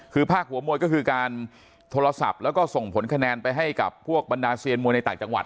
คือภาคหัวมวยก็คือการโทรศัพท์แล้วก็ส่งผลคะแนนไปให้กับพวกบรรดาเซียนมวยในต่างจังหวัด